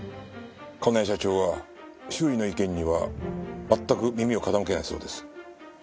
香奈恵社長は周囲の意見には全く耳を傾けないそうです。